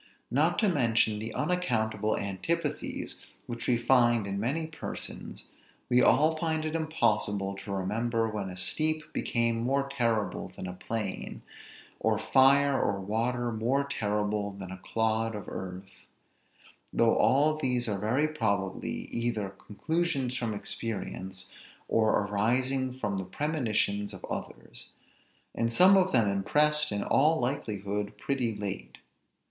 Not to mention the unaccountable antipathies which we find in many persons, we all find it impossible to remember when a steep became more terrible than a plain; or fire or water more terrible than a clod of earth; though all these are very probably either conclusions from experience, or arising from the premonitions of others; and some of them impressed, in all likelihood, pretty late.